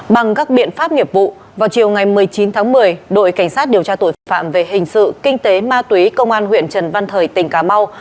bằng các biện pháp nghiệp vụ vào chiều ngày một mươi chín tháng một mươi đội cảnh sát điều tra tội phạm về hình sự kinh tế ma túy công an huyện trần văn thời tỉnh cà mau